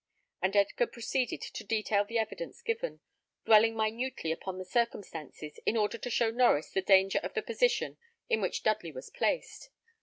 And Edgar proceeded to detail the evidence given, dwelling minutely upon the circumstances, in order to show Norries the danger of the position in which Dudley was placed.